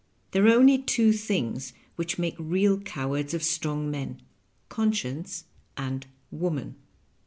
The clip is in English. There are only two things which make real cowards of strong men conscience and woman.